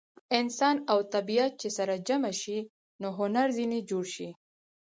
انسان او طبیعت چې سره جمع شي نو هنر ځینې جوړ شي.